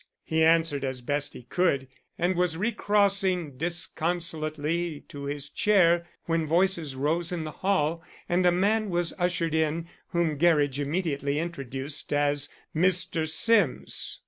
He answered as best he could, and was recrossing disconsolately to his chair when voices rose in the hall, and a man was ushered in, whom Gerridge immediately introduced as Mr. Sims.